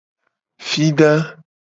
Fida.